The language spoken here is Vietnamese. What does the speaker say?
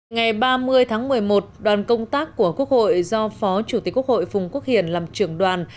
ngày ba mươi tháng một mươi một đoàn công tác của quốc hội do phó chủ tịch quốc hội phùng quốc hiển làm trưởng đoàn